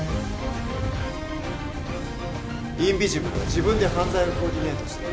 インビジブルは自分で犯罪をコーディネートして